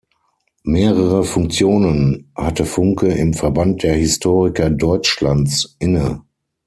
Mehrere Funktionen hatte Funke im Verband der Historiker Deutschlands inne.